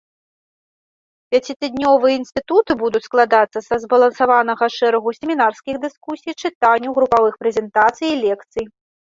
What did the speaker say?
Пяцітыднёвыя інстытуты будуць складацца са збалансаванага шэрагу семінарскіх дыскусій, чытанняў, групавых прэзентацый і лекцый.